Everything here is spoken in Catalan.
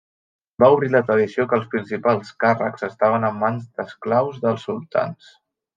Va obrir la tradició que els principals càrrecs estaven en mans d'esclaus dels sultans.